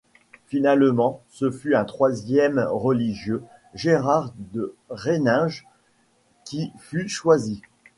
Finalement, ce fut un troisième religieux, Gérard de Rhéninghe, qui fut choisi.